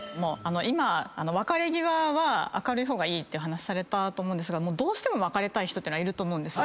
今別れ際は明るい方がいいって話されたと思うんですがどうしても別れたい人ってのはいると思うんです。